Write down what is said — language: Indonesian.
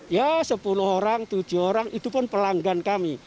ya sepuluh orang tujuh orang itu pun pelanggan kami